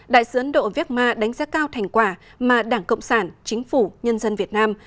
đại sứ ấn độ vekma đánh giá cao thành quả mà đảng cộng sản chính phủ nhân dân việt nam